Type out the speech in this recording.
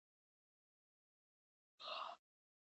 دوستي په دې توګه وښیي.